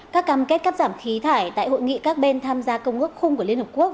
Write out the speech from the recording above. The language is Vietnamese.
các cam kết cắt giảm khí thải tại hội nghị các bên tham gia công ước khung của liên hợp quốc